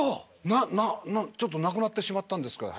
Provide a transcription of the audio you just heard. なななちょっと亡くなってしまったんですけどね。